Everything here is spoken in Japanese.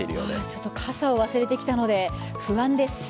ちょっと傘を忘れてきたので、不安です。